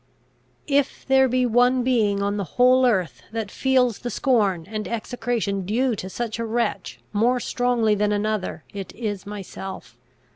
"If there be one being on the whole earth that feels the scorn and execration due to such a wretch more strongly than another, it is myself.